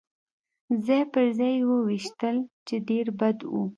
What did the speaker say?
ځای پر ځای يې وویشتل، چې ډېر بد و.